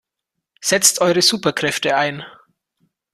Setzt eure Superkräfte ein!